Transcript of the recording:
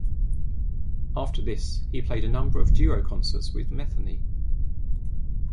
After this, he played a number of duo concerts with Metheny.